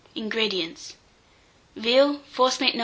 INGREDIENTS. Veal, forcemeat No.